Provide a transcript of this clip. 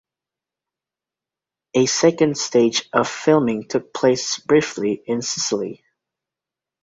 A second stage of filming took place briefly in Sicily.